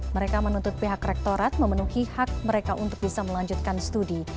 mereka menuntut pihak rektorat memenuhi hak mereka untuk bisa melanjutkan studi